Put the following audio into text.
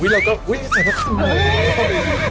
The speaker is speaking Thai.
เราก็เอ้ยเซอร์พระคุณหนุ่ม